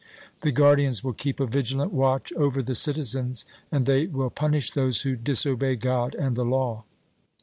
The guardians will keep a vigilant watch over the citizens, and they will punish those who disobey God and the law.